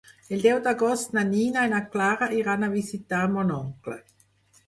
El deu d'agost na Nina i na Clara iran a visitar mon oncle.